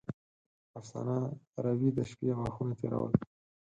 افسانه: روې د شپې غاښونه تېرول.